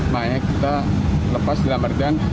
makanya kita lepas dalam artian